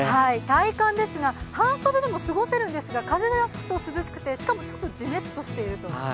体感ですが、半袖でも過ごせるんですが、風が吹くと涼しくて、しかもちょっとじめっとしていると。